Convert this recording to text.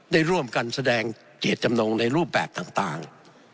ได้ร่วมกันแสดงเจตจำนงในรูปแบบต่าง